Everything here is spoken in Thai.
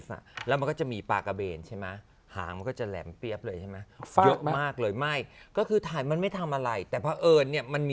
ฝึกเจลอสติบ้าง